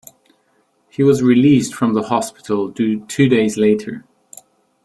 He was released from the hospital two days later.